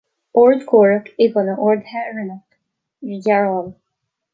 Achomhairc i gcoinne orduithe a rinneadh ar ghearán.